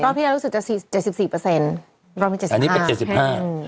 รอบที่เรารู้สึกจะ๗๔รอบที่๗๕